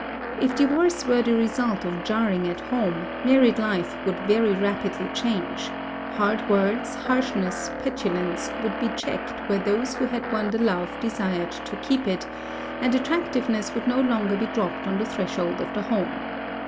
If divorce were the result of jarring at home, married life would very rapidly change; hard words, harshness, petulance, would be checked where those who had won the love desired to keep it, and attractiveness would no longer be dropped on the threshold of the home.